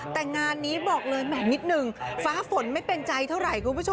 แต่งานนี้บอกเลยแหม่นิดนึงฟ้าฝนไม่เป็นใจเท่าไหร่คุณผู้ชม